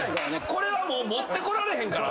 これは持ってこられへんから。